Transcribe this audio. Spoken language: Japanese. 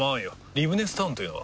リブネスタウンというのは？